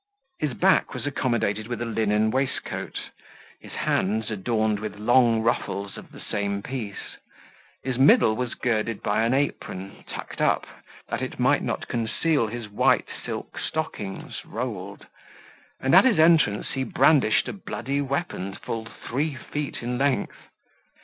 His back was accommodated with a linen waistcoat, his hands adorned with long ruffles of the same piece, his middle was girded by an apron, tucked up, that it might not conceal his white silk stockings, rolled; and at his entrance he brandished a bloody weapon full three feet in length.